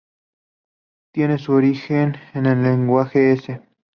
Tiene su origen en el lenguaje "S".